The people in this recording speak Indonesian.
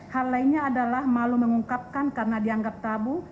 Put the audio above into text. hal lainnya adalah malu mengungkapkan karena dianggap tabu